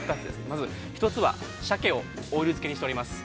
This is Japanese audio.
まず、一つは、シャケをオイル漬けにしております。